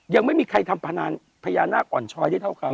ยังไม่มีใครทำพญานาคอ่อนช้อยได้เท่าเขา